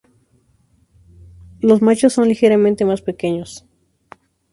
Los machos son ligeramente más pequeños.